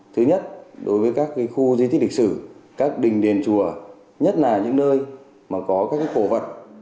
thứ nhất đối với các khu di tích lịch sử các đình đền chùa nhất là những nơi mà có các cổ vật